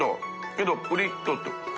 けどプリッと。